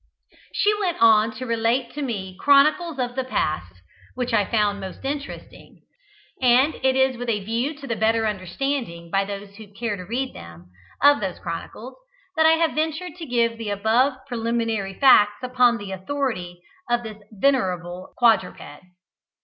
She went on to relate to me chronicles of the past, which I found most interesting; and it is with a view to the better understanding, by those who care to read them, of those chronicles, that I have ventured to give the above preliminary facts upon the authority of this venerable quadruped.